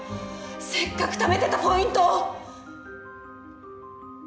せっかくためてたポイントを！